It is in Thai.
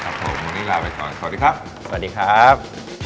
วันนี้ลาไปก่อนสวัสดีครับสวัสดีครับ